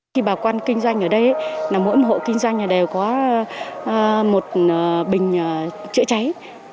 khi bà con kinh doanh ở đây là mỗi một hộ kinh doanh đều có một bình chữa cháy